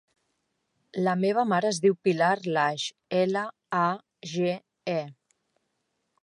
La meva mare es diu Pilar Lage: ela, a, ge, e.